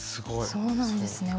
そうなんですね